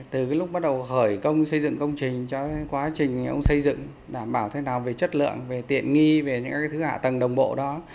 từ lúc bắt đầu khởi công xây dựng công trình cho quá trình ông xây dựng đảm bảo thế nào về chất lượng về tiện nghi về những thứ hạ tầng đồng bộ đó